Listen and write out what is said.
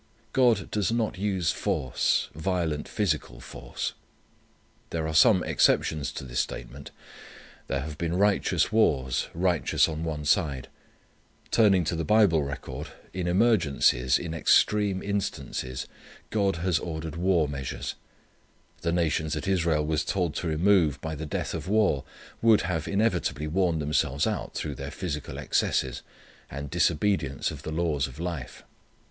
God does not use force, violent physical force. There are some exceptions to this statement. There have been righteous wars, righteous on one side. Turning to the Bible record, in emergencies, in extreme instances God has ordered war measures. The nations that Israel was told to remove by the death of war would have inevitably worn themselves out through their physical excesses, and disobedience of the laws of life.